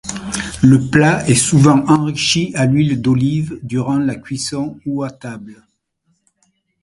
Le plat est souvent enrichi à l'huile d'olive, durant la cuisson ou à table.